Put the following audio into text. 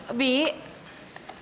supaya dia tahu rasa